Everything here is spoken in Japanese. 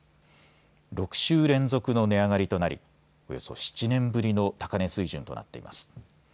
６週連続の値上がりとなりおよそ７年ぶりの高値水準となっています。